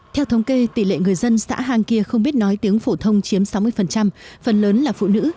theo thống kê tỷ lệ người dân xã hàng kia không biết nói tiếng phổ thông chiếm sáu mươi phần lớn là phụ nữ